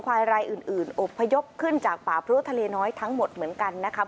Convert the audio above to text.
ควายไรอื่นองค์ภายบขึ้นจากป่าพรู่ทะเลน้อยทั้งหมดเหมือนกันนะคะ